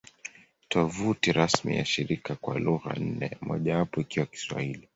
Tovuti rasmi ya shirika kwa lugha nne, mojawapo ikiwa Kiswahili